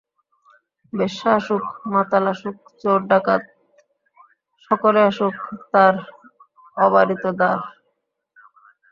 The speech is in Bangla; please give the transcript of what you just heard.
বেশ্যা আসুক, মাতাল আসুক, চোর ডাকাত সকলে আসুক তাঁর অবারিত দ্বার।